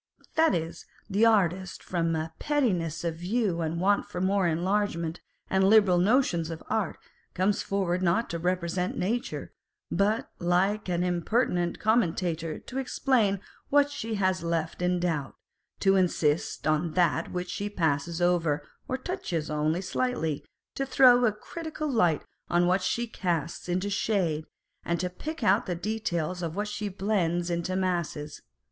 That is, the artist, from a pettiness of view and want of more enlarged and liberal notions of art, comes forward not to represent nature, but like an impertinent commentator to explain what she has left in doubt, to insist on that which she passes over or touches only slightly, to throw a critical light on what she casts into shade, and to pick out the details of what she blends into masses.